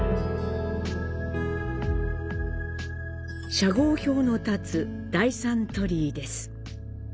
社号標の建つ「第三鳥居」です。